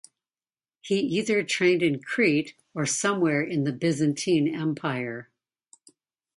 He either trained in Crete or somewhere in the Byzantine Empire.